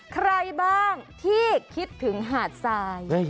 ใครบ้างที่คิดถึงหาดทราย